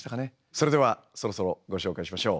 それではそろそろご紹介しましょう。